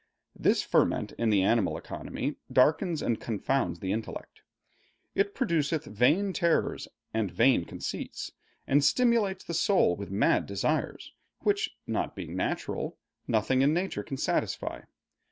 This ferment in the animal economy darkens and confounds the intellect. It produceth vain terrors and vain conceits, and stimulates the soul with mad desires, which, not being natural, nothing in nature can satisfy.